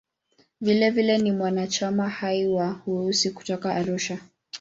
Vilevile ni mwanachama hai wa "Weusi" kutoka Arusha.